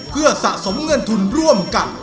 เพื่อสะสมเงินทุนร่วมกัน